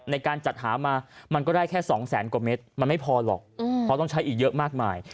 ในการจัดหามามันก็ได้แค่๒แสนกว่าเมตรมันไม่พอหรอกเพราะต้องใช้อีกเยอะมากมาย